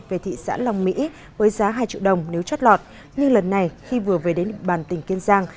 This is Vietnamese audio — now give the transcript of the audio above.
về thị xã long mỹ với giá hai triệu đồng nếu chót lọt nhưng lần này khi vừa về đến bàn tỉnh kiên giang